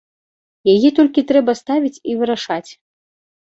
Яе толькі трэба ставіць і вырашаць.